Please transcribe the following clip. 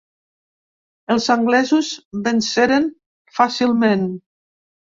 Els anglesos venceren fàcilment.